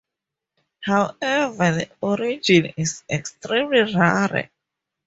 However, this origin is extremely rare.